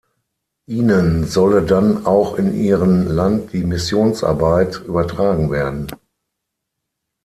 Ihnen solle dann auch in ihren Land die Missionsarbeit übertragen werden.